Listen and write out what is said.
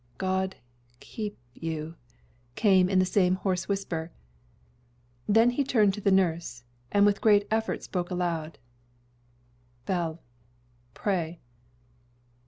"God keep you!" came in the same hoarse whisper. Then he turned to the nurse, and with great effort spoke aloud, "Belle, pray!"